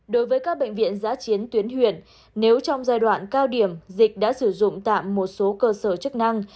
đối với các bệnh viện giã chiến tuyến huyện nếu trong giai đoạn cao điểm dịch đã sử dụng tạm một số cơ sở chức năng